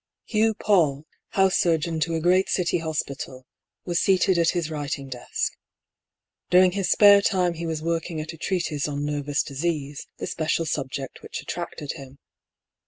Hugh Paull, house surgeon to a great City hospital, was seated at his writing desk. During his spare time he was working at a treatise on nervous disease, the special subject which attracted him.